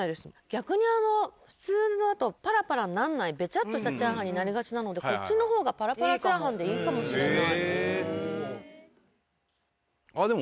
逆に普通のだとパラパラならないベチャッとしたチャーハンになりがちなのでこっちの方がパラパラチャーハンでいいかもしれない。